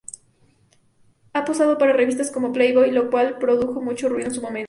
Ha posado para revistas como Playboy, lo cual produjo mucho ruido en su momento.